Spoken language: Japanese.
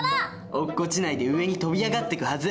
落っこちないで上に飛び上がってくはず。